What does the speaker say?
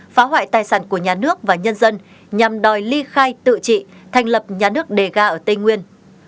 phá hoại tài sản của nhà nước và nhân dân nhằm đòi ly khai tự trị thành lập nhà nước đề ga ở tây nguyên